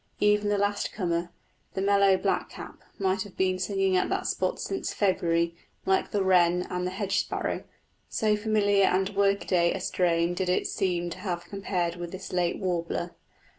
Even the last comer, the mellow blackcap, might have been singing at that spot since February, like the wren and hedge sparrow, so familiar and workaday a strain did it seem to have compared with this late warbler.